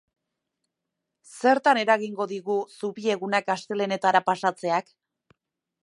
Zertan eragingo digu, zubi egunak astelehenetara pasatzeak?